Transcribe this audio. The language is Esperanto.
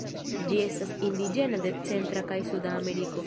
Ĝi estas indiĝena de Centra kaj Suda Ameriko.